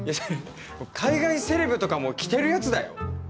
海外セレブとかも着てるやつだよ？